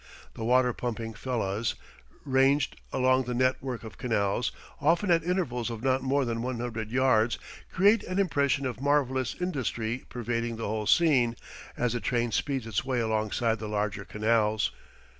The water pumping fellahs, ranged along the net work of canals, often at intervals of not more than one hundred yards, create an impression of marvellous industry pervading the whole scene, as the train speeds its way alongside the larger canals.